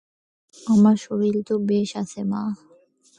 আমার শরীর তো বেশ আছে মা।